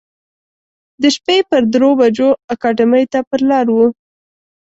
د شپې پر درو بجو اکاډمۍ ته پر لار و.